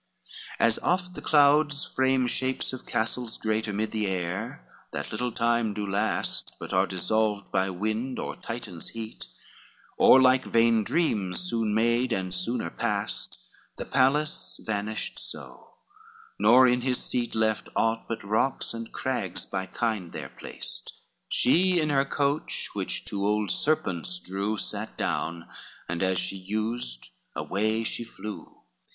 LXIX As oft the clouds frame shapes of castles great Amid the air, that little time do last, But are dissolved by wind or Titan's heat, Or like vain dreams soon made, and sooner past: The palace vanished so, nor in his seat Left aught but rocks and crags, by kind there placed; She in her coach which two old serpents drew, Sate down, and as she used, away she flew.